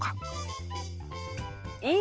いい？